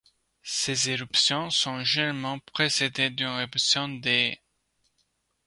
Ses éruptions sont généralement précédées d'une éruption de '.